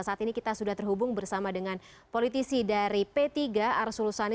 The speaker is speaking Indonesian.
saat ini kita sudah terhubung bersama dengan politisi dari p tiga arsul sani